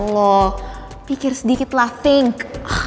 lo pikir sedikit lah think